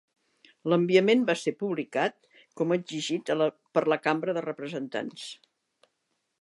L'enviament va ser publicat com exigit per la Cambra de representants.